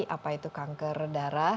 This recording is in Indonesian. apa itu kanker darah